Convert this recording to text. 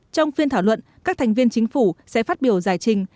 trong phiên thảo luận các thành viên chính phủ sẽ phát biểu giải trình